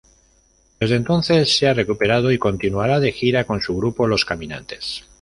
Desde entonces, se ha recuperado y continuará de gira con su grupo Los Caminantes.